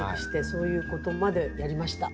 そういうことまでやりました。